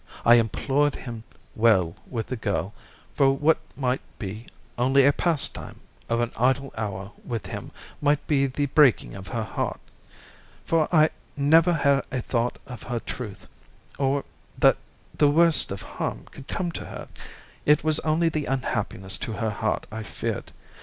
I implored him to deal well with the girl, for what might be only a pastime of an idle hour with him might be the breaking of her heart. For I never had a thought of her truth, or that the worst of harm could come to her—it was only the unhappiness to her heart I feared.